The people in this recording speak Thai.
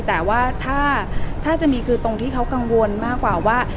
แต่ว่าถ้าจะมีคือตรงที่เขากังวลมากกว่าว่า